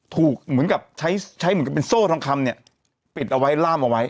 เหมือนกับใช้ใช้เหมือนกับเป็นโซ่ทองคำเนี่ยปิดเอาไว้ล่ามเอาไว้